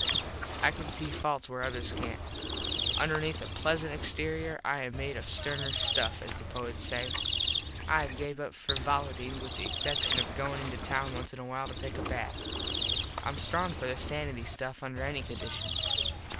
I can see falts where others cant. Underneath a plesant exterior I am made of sterner stuff, as the poets say. I have gave up frivolity with the exception of goin into town once in a while to take a bath. Im strong for this sanity stuff under any conditions.